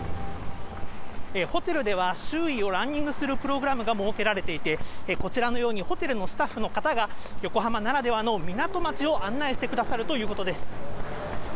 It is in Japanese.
ホテルでは、周囲をランニングするプログラムが設けられていて、こちらのようにホテルのスタッフの方が、横浜ならではの港町を案内してくださるということです。